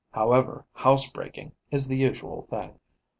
However, housebreaking is the usual thing.